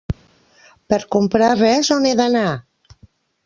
Per comprar res, on he d'anar?